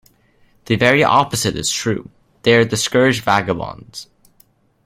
The very opposite is true; they are discouraged vagabonds.